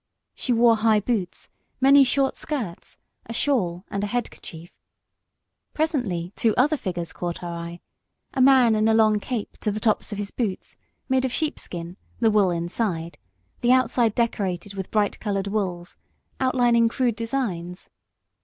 She wore high boots, many short skirts, a shawl and a head kerchief. Presently two other figures caught our eye: a man in a long cape to the tops of his boots, made of sheepskin, the wool inside, the outside decorated with bright coloured wools, outlining crude designs.